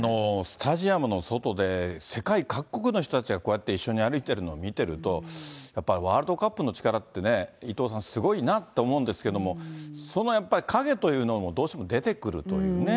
スタジアムの外で世界各国の人たちがこうやって一緒に歩いてるのを見ると、やっぱりワールドカップの力ってね、伊藤さん、すごいなと思うんですけれども、その陰というのも、どうしても出てくるというね。